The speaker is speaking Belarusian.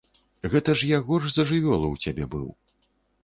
Гэта ж я горш за жывёлу ў цябе быў.